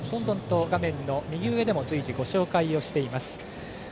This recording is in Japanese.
画面の右上でも随時ご紹介をしています。